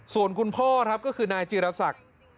ส่วนคุณพ่อครับก็คือนายจีรศักดิ์